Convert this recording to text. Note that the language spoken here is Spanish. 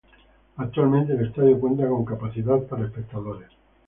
Actualmente el estadio cuenta con capacidad para espectadores.